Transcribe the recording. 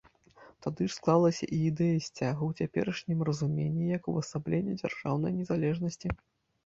Тады ж склалася і ідэя сцяга ў цяперашнім разуменні, як увасаблення дзяржаўнай незалежнасці.